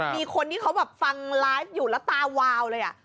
มีคนที่เขาแบบฟังไลฟ์อยู่แล้วตาวาวเลย